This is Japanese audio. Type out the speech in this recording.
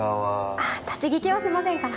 立ち聞きはしませんから。